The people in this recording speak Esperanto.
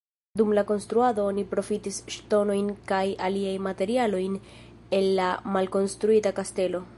Dum la konstruado oni profitis ŝtonojn kaj aliaj materialojn el la malkonstruita kastelo.